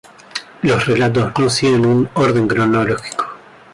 Los relatos no siguen un orden cronológico.